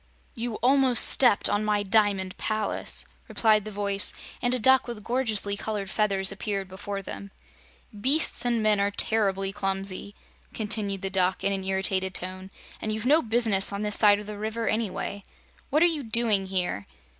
"You almost stepped on my Diamond Palace," replied the voice, and a duck with gorgeously colored feathers appeared before them. "Beasts and men are terribly clumsy," continued the Duck in an irritated tone, "and you've no business on this side of the River, anyway. What are you doing here?"